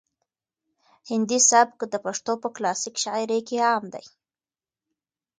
هندي سبک د پښتو په کلاسیک شاعري کې عام دی.